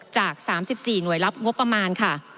จาก๓๔หน่วยรับงบประมาณค่ะ